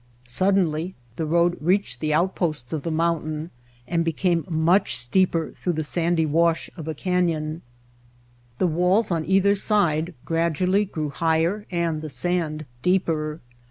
Suddenly the road reached the outposts of the mountain and became much — An ^._.. Entering Death Valley steeper through the sandy wash of a canyon. The walls on either side gradually grew higher and the sand deeper.